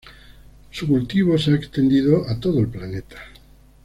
Su cultivo se ha extendido a todo el planeta.